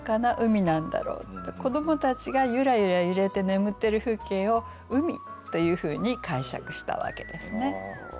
子どもたちがゆらゆら揺れて眠ってる風景を「海」というふうに解釈したわけですね。